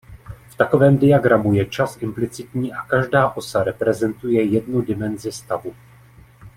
V takovém diagramu je čas implicitní a každá osa reprezentuje jednu dimenzi stavu.